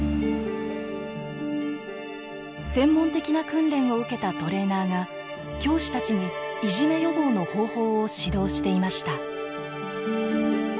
専門的な訓練を受けたトレーナーが教師たちにいじめ予防の方法を指導していました。